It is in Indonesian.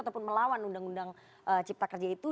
ataupun melawan undang undang cipta kerja itu